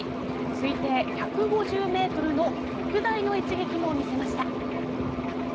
推定１５０ｍの特大の一撃も見せました。